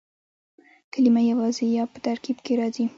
کلیمه یوازي یا په ترکیب کښي راځي.